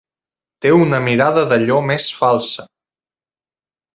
Té una mirada d'allò més falsa.